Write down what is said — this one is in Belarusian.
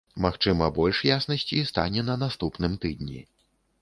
Магчыма, больш яснасці стане на наступным тыдні.